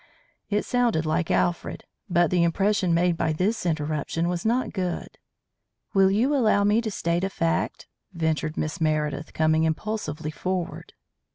It sounded like Alfred, but the impression made by this interruption was not good. "Will you allow me to state a fact," ventured Miss Meredith, coming impulsively forward.